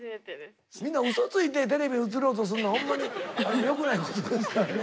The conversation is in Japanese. みんなうそついてテレビ映ろうとすんのほんまに良くないことですからね。